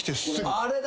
あれだ。